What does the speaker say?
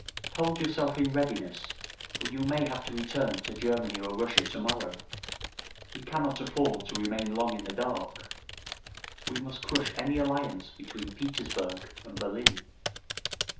Hold yourself in readiness, for you may have to return to Germany or Russia tomorrow. We cannot afford to remain long in the dark. We must crush any alliance between Petersburg and Berlin.'